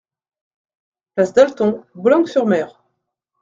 Place Dalton, Boulogne-sur-Mer